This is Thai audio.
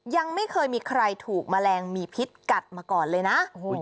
ยังไม่เคยมีใครถูกแมลงมีพิษกัดมาก่อนเลยนะ